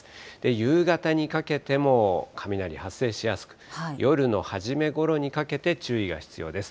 夕方にかけても雷発生しやすく、夜の初めごろにかけて注意が必要です。